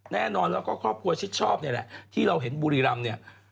และข้อพูดชิดชอบนี่แหละที่เราเห็นบุรีรัมน์